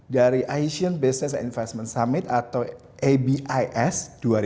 dari asian business investment summit atau abis dua ribu dua puluh